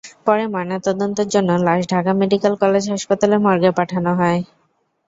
পরে ময়নাতদন্তের জন্য লাশ ঢাকা মেডিকেল কলেজ হাসপাতালের মর্গে পাঠানো হয়।